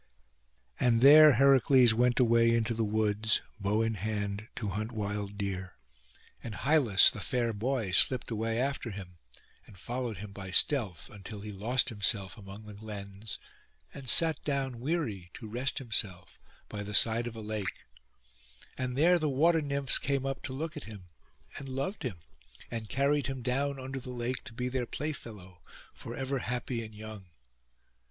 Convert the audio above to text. And there Heracles went away into the woods, bow in hand, to hunt wild deer; and Hylas the fair boy slipt away after him, and followed him by stealth, until he lost himself among the glens, and sat down weary to rest himself by the side of a lake; and there the water nymphs came up to look at him, and loved him, and carried him down under the lake to be their playfellow, for ever happy and young.